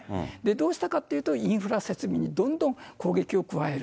どうしたかっていうと、インフラ設備にどんどん攻撃を加える。